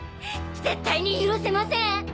絶対に許せません！